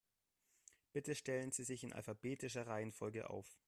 Bitte stellen Sie sich in alphabetischer Reihenfolge auf.